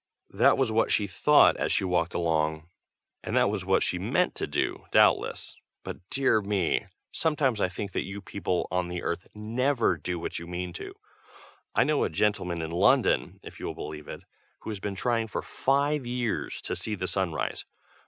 That was what she thought as she walked along, and that was what she meant to do, doubtless; but dear me! sometimes I think that you people on the earth never do what you mean to do. I know a gentleman in London, if you will believe it, who has been trying for five years to see the sun rise.